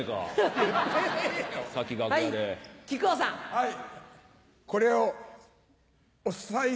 はい。